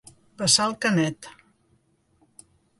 Passar el canet.